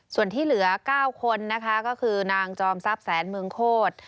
ส่วนที่เหลือ๙คนก็คือนางจอมซาบแสนเมืองโคตร